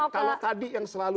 kalau tadi yang selalu